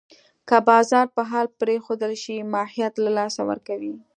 که بازار په حال پرېښودل شي، ماهیت له لاسه ورکوي.